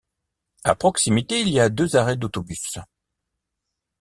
À proximité il y a deux arrêts d'autobus.